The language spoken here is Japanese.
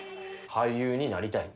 俳優になりたい。